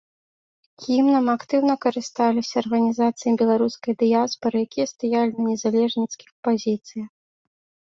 Гімнам актыўна карысталіся арганізацыі беларускай дыяспары, якія стаялі на незалежніцкіх пазіцыях.